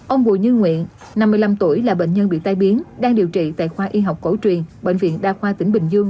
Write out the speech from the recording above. ông bùi như nguyện năm mươi năm tuổi là bệnh nhân bị tai biến đang điều trị tại khoa y học cổ truyền bệnh viện đa khoa tỉnh bình dương